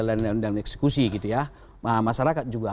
regulator dan eksekusi gitu ya masyarakat juga